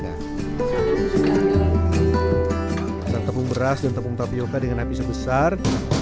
dasar tepung beras dan tepung tapioca dengan api sebesar